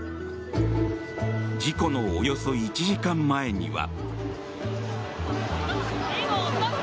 事故のおよそ１時間前には。